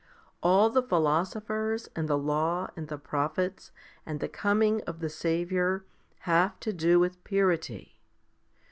All the philosophers, and the law, and the prophets, and the coming of the Saviour, have to do with purity.